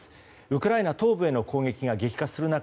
ウクライナ東部への攻撃が激化する中